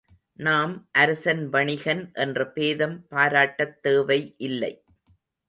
நாம் அரசன் வணிகன் என்ற பேதம் பாராட்டத் தேவை இல்லை.